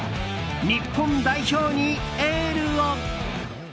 日本代表にエールを！